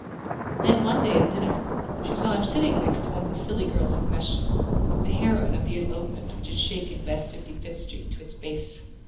Then one day, at a dinner, she saw him sitting next to one of the silly girls in question: the heroine of the elopement which had shaken West Fifty fifth Street to its base.